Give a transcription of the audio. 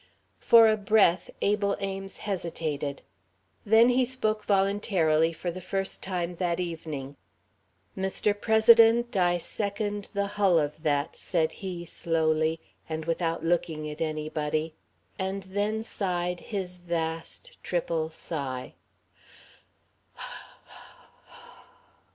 For a breath Abel Ames hesitated; then he spoke voluntarily for the first time that evening. "Mr. President, I second the hull of that," said he, slowly, and without looking at anybody; and then sighed his vast, triple sigh.